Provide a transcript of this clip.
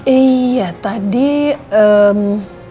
iya tadi emm